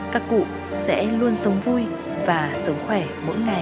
các cụ sẽ luôn sống vui và sống khỏe mỗi ngày